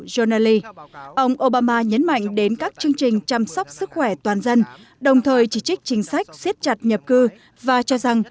jonali ông obama nhấn mạnh đến các chương trình chăm sóc sức khỏe toàn dân đồng thời chỉ trích chính sách siết chặt nhập cư và cho rằng